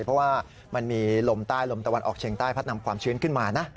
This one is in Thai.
เพราะว่ามันมีลมใต้ลมตะวันออกเฉียงใต้พัดนำความชื้นขึ้นมานะ